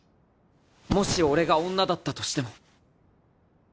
もし俺が女だったとしても。